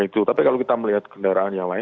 tapi kalau kita melihat kendaraan yang lain